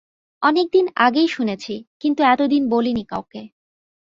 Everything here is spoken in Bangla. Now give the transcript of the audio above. অনেকদিন আগেই শুনেছি, কিন্তু এতদিন বলিনি কাউকে।